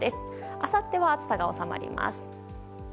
あさっては暑さが収まります。